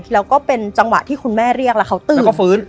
แล้วก็เป็นจังหวะที่คุณแม่เรียกแล้วเขาตื่นเขาฟื้น